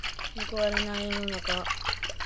報われない世の中。